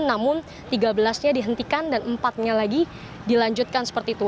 namun tiga belas nya dihentikan dan empat nya lagi dilanjutkan seperti itu